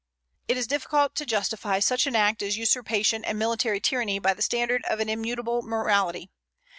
It is difficult to justify such an act as usurpation and military tyranny by the standard of an immutable morality.